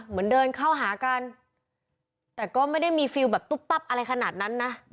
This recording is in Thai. เหมือนเดินเข้าหากันแต่ก็ไม่ได้มีฟิลแบบตุ๊บตับอะไรขนาดนั้นนะ